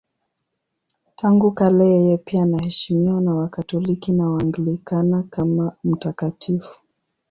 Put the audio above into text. Tangu kale yeye pia anaheshimiwa na Wakatoliki na Waanglikana kama mtakatifu.